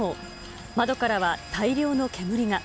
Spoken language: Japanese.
窓からは大量の煙が。